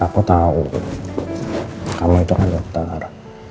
aku tau kamu itu kan dokter